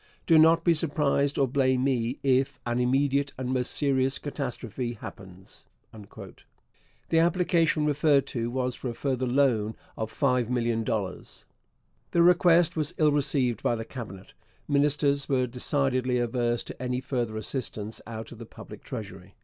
Do not be surprised, or blame me, if an immediate and most serious catastrophe happens. The application referred to was for a further loan of $5,000,000. The request was ill received by the Cabinet. Ministers were decidedly averse to any further assistance out of the public treasury.